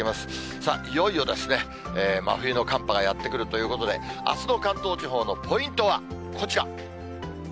さあ、いよいよですね、真冬の寒波がやって来るということで、あすの関東地方のポイントはこちら。